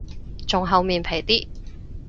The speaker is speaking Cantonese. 仲厚面皮啲